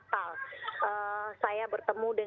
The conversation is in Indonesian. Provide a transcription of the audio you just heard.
bagaimana bisa untuk